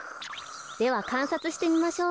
ではかんさつしてみましょう。